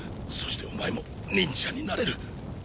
そしてお前も忍者になれる。